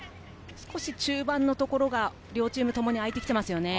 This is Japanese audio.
少し中盤のところが両チームともにあいてきていますね。